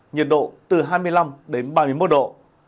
nhiệt độ từ hai mươi năm đến ba mươi một độ